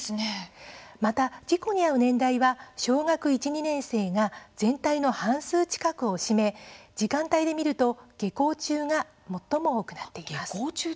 また事故に遭う年代は小学１、２年生が全体の半数近くを占め時間帯で見ると下校中が最も多くなっています。